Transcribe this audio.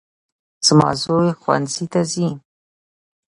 زما زوی ښوونځي ته ځي